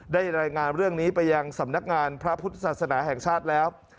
ได้รายงานเรื่องนี้ไปยังสำนักงานพระพุทธศาสนาแห่งชาติแล้ว